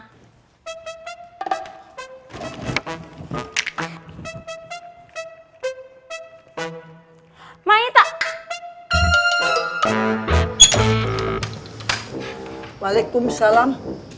kumit lagi belom